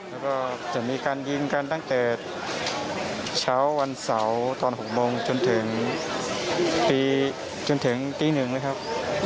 แล้วก็จะมีการยิงกันตั้งแต่เช้าวันเสาร์ตอน๖โมงจนถึงตีจนถึงตี๑เลยครับ